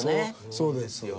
そうですよ。